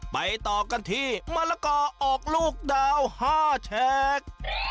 ไปต่อกันที่มะละกอออกลูกดาว๕แฉก